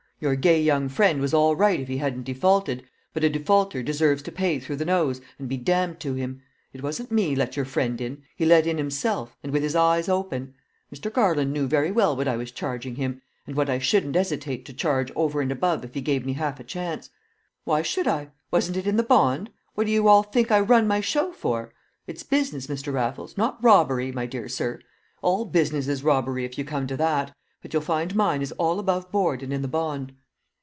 Your gay young friend was all right if he hadn't defaulted, but a defaulter deserves to pay through the nose, and be damned to him. It wasn't me let your friend in; he let in himself, with his eyes open. Mr. Garland knew very well what I was charging him, and what I shouldn't 'esitate to charge over and above if he gave me half a chance. Why should I? Wasn't it in the bond? What do you all think I run my show for? It's business, Mr. Raffles, not robbery, my dear sir. All business is robbery, if you come to that. But you'll find mine is all above board and in the bond."